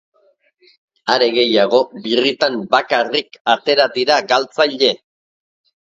Are gehiago, birritan bakarrik atera dira galtzaile.